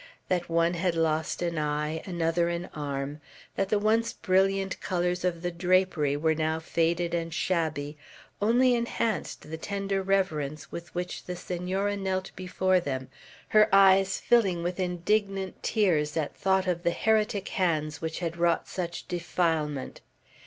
That one had lost an eye, another an arm, that the once brilliant colors of the drapery were now faded and shabby, only enhanced the tender reverence with which the Senora knelt before them, her eyes filling with indignant tears at thought of the heretic hands which had wrought such defilement.